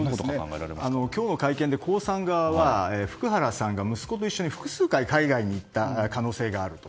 今日の会見で江さん側は福原さんが息子と一緒に複数回海外に行った可能性があると。